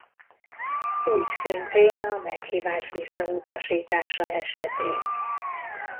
Úgyszintén a meghívás visszautasítása esetén.